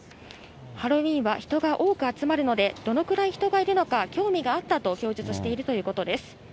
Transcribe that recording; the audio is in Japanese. ハロウィーンは人が多く集まるので、どのくらい人がいるのか興味があったと供述しているということです。